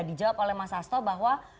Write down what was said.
dijawab oleh mas hasto bahwa